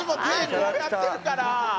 こうやってるから。